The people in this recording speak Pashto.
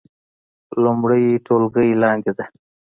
لومړۍ ټولګی لاندې ده